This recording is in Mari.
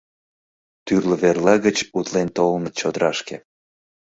Тӱрлӧ верла гыч утлен толыныт чодырашке